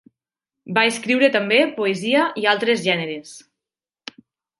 Va escriure també poesia i altres gèneres.